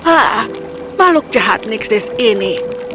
ah makhluk jahat nixis ini